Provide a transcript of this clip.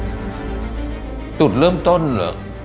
จุดเริ่มต้นเหรอ